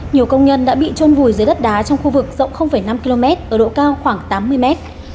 nhiều công nhân đã bị trôn vùi dưới đất đá trong khu vực rộng năm km ở độ cao khoảng tám mươi mét